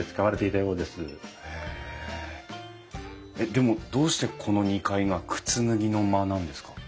でもどうしてこの２階が靴脱ぎの間なんですか？